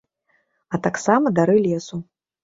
А таксама дары лесу.